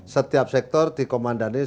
setiap sektor dikomandani seorang karyawan